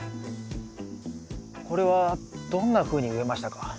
これはどんなふうに植えましたか？